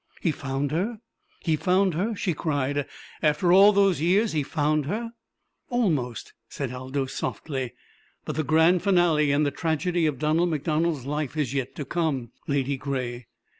"He found her he found her?" she cried. "After all those years he found her?" "Almost," said Aldous softly. "But the great finale in the tragedy of Donald MacDonald's life is yet to come, Ladygray.